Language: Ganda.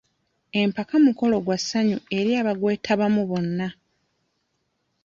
Empaka mukolo ogw'essanyu eri abagwetabamu bonna.